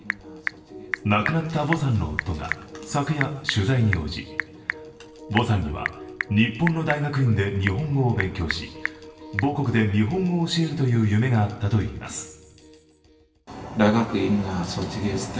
亡くなったヴォさんの夫が昨夜、取材に応じ、ヴォさんには日本の大学院で日本語を勉強し母国で日本語を教えるという夢があったといいます。